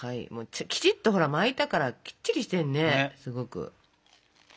きちっとほら巻いたからきっちりしてるねすごく。